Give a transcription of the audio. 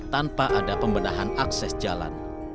tanpa ada pembenahan akses jalan